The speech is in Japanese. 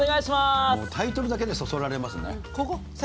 タイトルだけでそそられますね。